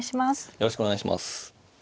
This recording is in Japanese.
よろしくお願いします。